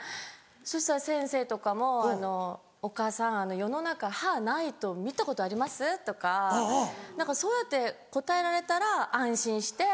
そしたら先生とかも「お母さん世の中歯ない人見たことあります？」とかそうやって答えられたら安心して。